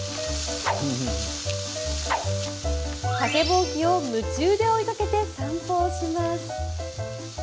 竹ぼうきを夢中で追いかけて散歩をします。